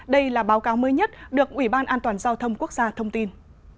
đây là báo cáo mới nhất được ủy ban an toàn giao thông quốc gia thông tin